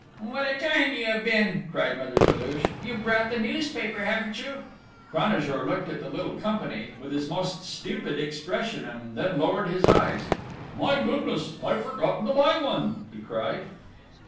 "What a time you have been!" cried Mother Toulouche: "You've brought the newspaper, haven't you?" Cranajour looked at the little company with his most stupid expression and then lowered his eyes: "My goodness, I've forgotten to buy one!" he cried.